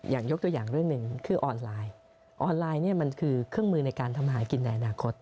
ยกตัวอย่างเรื่องหนึ่งคือออนไลน์ออนไลน์เนี่ยมันคือเครื่องมือในการทำหากินในอนาคต